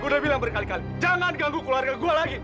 gue udah bilang berkali kali jangan ganggu keluarga gue lagi